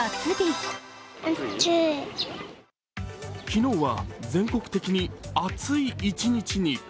昨日は全国的に暑い一日に。